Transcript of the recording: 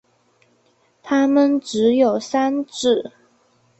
它们只有三趾。